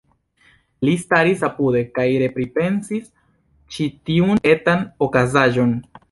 Li staris apude, kaj repripensis ĉi tiun etan okazaĵon.